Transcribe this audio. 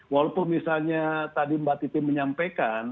walaupun misalnya tadi mbak titi menyampaikan